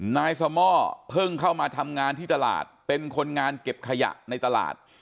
นายสม่อเพิ่งเข้ามาทำงานที่ตลาดเป็นคนงานเก็บขยะในตลาด